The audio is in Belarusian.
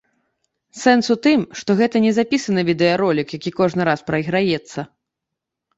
Сэнс у тым, што гэта не запісаны відэаролік, які кожны раз прайграецца.